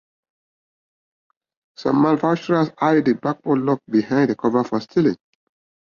Some manufacturers hide the backup lock behind a cover for styling.